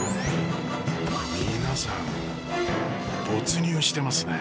皆さん没入してますね。